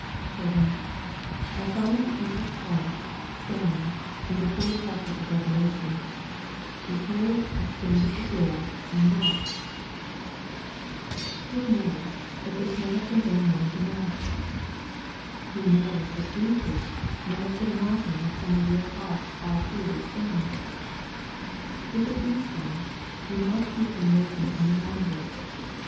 Children, I find Jesus Christ saying, in the third chapter of Revelation, " Behold I stand at the door and knock." W\\o V\iCW3»\f^'^s^ 42 SERMONS FOR CHILDREN. may have been going on to night ? Who knows but Jesus may have been knocking at some of your hearts all through 'this sermon? If it be so, do not keep Him waiting any longer.